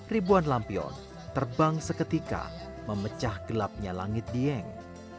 ribuan lampion terbang seketika memecah gelapnya langit dieng